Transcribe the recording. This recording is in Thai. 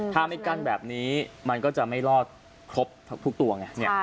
ถ้าไม่กั้นแบบนี้มันก็จะไม่รอดครบทุกตัวไง